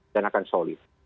dan akan solid